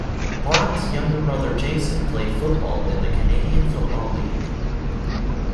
Barnes' younger brother Jason played football in the Canadian Football League.